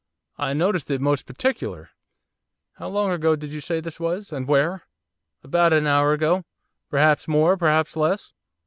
'I noticed it most particular.' 'How long ago do you say this was? and where?' 'About a hour ago, perhaps more, perhaps less.